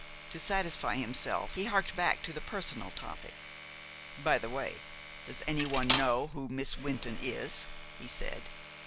To satisfy himself, he harked back to the personal topic. "By the way, does anyone know who Miss Wynton is?" he said.